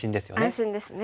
安心ですね。